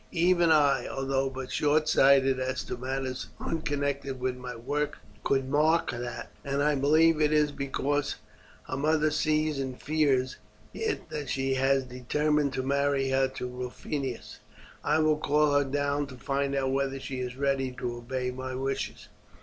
Even I, although but short sighted as to matters unconnected with my work, could mark that, and I believe it is because her mother sees and fears it that she has determined to marry her to Rufinus. I will call her down to find out whether she is ready to obey my wishes."